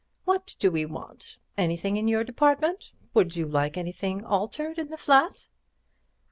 What do we want? Anything in your department? Would you like anything altered in the flat?"